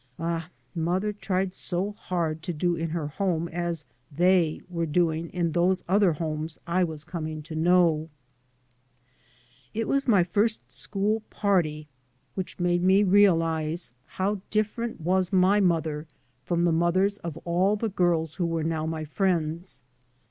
Ah, mother tried so hard to do in her home as " they " were doing in those other homes I was com ing to know I It was my first school party which made me 3 by Google MY MOTHER AND 1 realise how different was my mother from the mothers of all the girls who were now my friends.